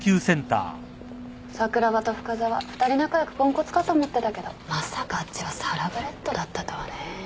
桜庭と深澤２人仲良くポンコツかと思ってたけどまさかあっちはサラブレッドだったとはね。